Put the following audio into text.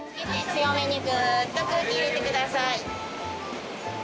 強めにグーッと空気入れてください。